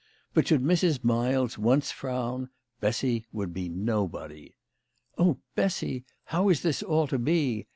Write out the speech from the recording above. But should Mrs. Miles once frown, Bessy would be nobody. " Oh, Bessy, how is this all to be